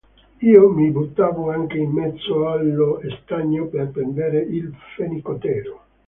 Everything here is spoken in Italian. Io mi buttavo anche in mezzo allo stagno per prendere il fenicottero.